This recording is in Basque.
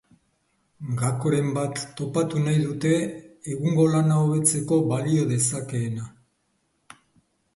Gakoren bat topatu nahi dute, egungo lana hobetzeko balio dezakeena.